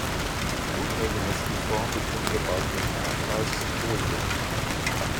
Die unregelmäßige Form betonte dabei ihren Charakter als Spolien.